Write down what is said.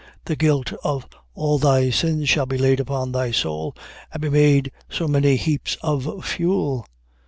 The guilt of all thy sins shall be laid upon thy soul, and be made so many heaps of fuel....